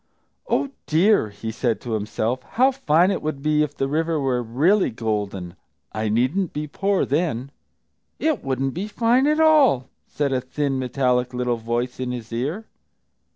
"Oh, dear!" he said to himself, "how fine it would be if the river were really golden! I needn't be poor, then." "It wouldn't be fine at all!" said a thin, metallic little voice, in his ear.